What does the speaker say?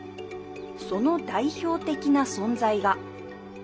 その代表的な存在が。